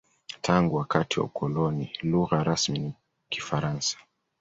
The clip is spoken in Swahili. Tangu wakati wa ukoloni, lugha rasmi ni Kifaransa.